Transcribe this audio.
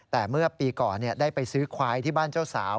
แต่เมื่อปีก่อนได้ไปซื้อควายที่บ้านเจ้าสาว